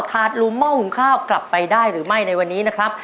ถาดหลุมเม่าหุงข้าวกลับไปได้หรือไม่ในวันนี้นะครับ